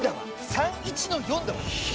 ３１の４だわ。